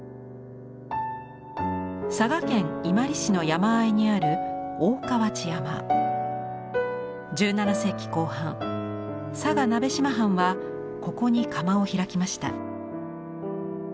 佐賀県伊万里市の山あいにある１７世紀後半佐賀鍋島藩はここに窯を開きました。